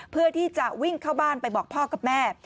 เพื่อที่จะวิ่งเข้าบ้านไปบอกพ่อกับแม่